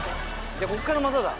じゃこっからまただ。